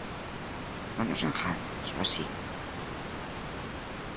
Non nos enganen, iso é así.